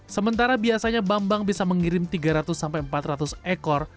sementara biasanya bambang bisa mengirim tiga ratus empat ratus ekor